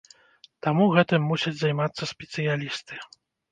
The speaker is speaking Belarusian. Таму гэтым мусяць займацца спецыялісты.